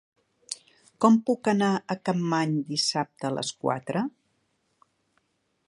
Com puc anar a Capmany dissabte a les quatre?